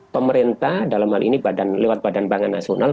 pemerintah dalam hal ini lewat badan pangan nasional